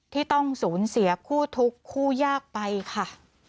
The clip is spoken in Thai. ที่ต้องสูญเสียคู่ทุกข์คู่ยากไปค่ะ